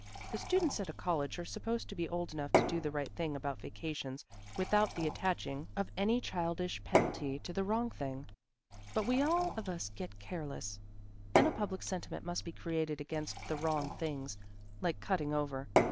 The students at a college are supposed to be old enough to do the right thing about vacations without the attaching of any childish penalty to the wrong thing. But we all of us get careless; then a public sentiment must be created against the wrong things, like cutting over.